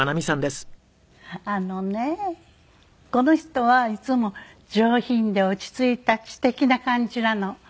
あのねこの人はいつも上品で落ち着いた素敵な感じなの。